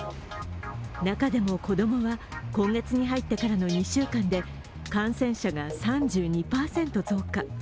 中でも、子供は今月に入ってからの２週間で感染者が３２％増加。